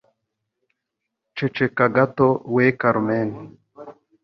ceceka gato we Carmen".